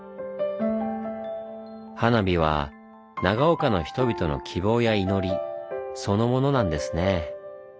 花火は長岡の人々の希望や祈りそのものなんですね。